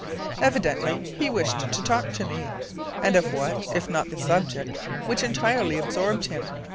Evidently he wished to talk to me, and of what, if not the subject which entirely absorbed him?